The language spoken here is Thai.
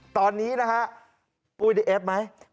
ตอนนี้นะฮะฟรึ้งได้ลาดไหม